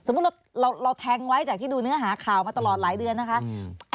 เราแทงไว้จากที่ดูเนื้อหาข่าวมาตลอดหลายเดือนนะคะ